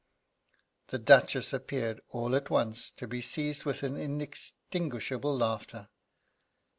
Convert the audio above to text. The Duchess appeared, all at once, to be seized with inextinguishable laughter.